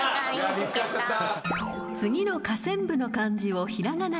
見つかっちゃった。